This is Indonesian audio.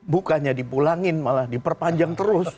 bukannya dipulangin malah diperpanjang terus